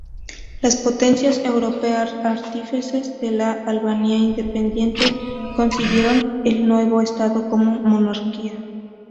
Las potencias europeas, artífices de la Albania independiente, concibieron el nuevo Estado como monarquía.